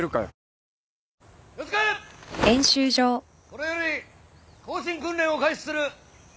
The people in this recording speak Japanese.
これより行進訓練を開始する。